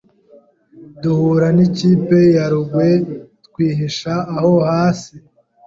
duhura n’ikipe ya Rugwe twihisha aho hasi